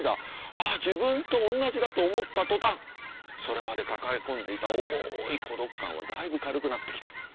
ああ自分と同じだ」と思った途端それまで抱え込んでいた重い孤独感はだいぶ軽くなってきた。